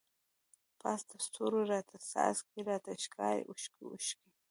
پاس دستورو راڼه څاڅکی، راته ښکاری اوښکی اوښکی